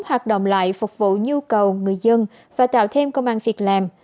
hoạt động lại phục vụ nhu cầu người dân và tạo thêm công an việc làm